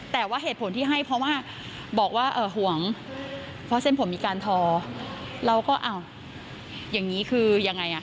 แต่ว่าเหตุผลที่ให้เพราะว่าบอกว่าห่วงเพราะเส้นผมมีการทอเราก็อ้าวอย่างนี้คือยังไงอ่ะ